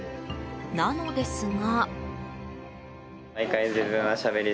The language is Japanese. なのですが。